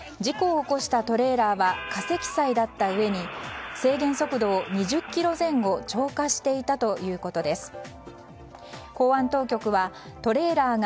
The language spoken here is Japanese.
事故を起こしたトレーラーは過積載だったうえに制限速度を２０キロ前後超過していたということです。